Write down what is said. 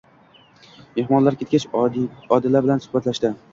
Mehmonlar ketgach, Odila bilan suhbatlashdi.